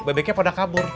bebeknya pada kabur